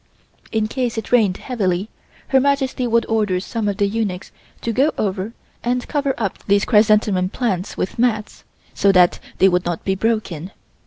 In case it rained heavily, Her Majesty would order some of the eunuchs to go over and cover up these chrysanthemum plants with mats, so that they would not be broken.